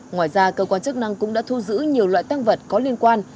ngoài ra cơ quan chức năng cũng đã thu giữ nhiều loại tăng vật có liên quan